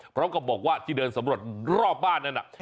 พร้อมกับบอกว่าที่เดินสำรวจรอบบ้านนั้น